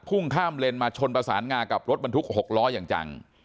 ข้ามเลนมาชนประสานงากับรถบรรทุก๖ล้ออย่างจัง